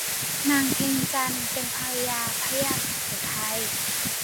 นางเพ็ญจันทร์เป็นภรรยาพระยาสุโขทัย